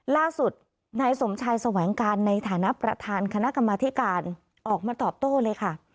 ล่าสุดนายสมชายแสวงการในฐานะประธานคณะกรรมธิการออกมาตอบโต้เลยค่ะ